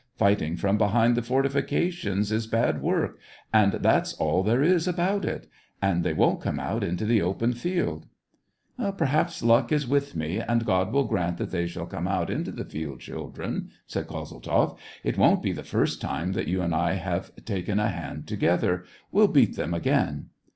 — Fighting from behind the forti fications is bad work, and that's all there is about it ! and they won't come out into the open field." SEVASTOPOL IN AUGUST. jc,g " Perhaps luck is with me, and God will grant that they shall come out into the field, children !" said Kozeltzoff. It won't be the first time that you and I have taken a hand together : we'll beat them again."